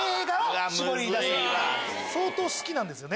相当好きなんですよね？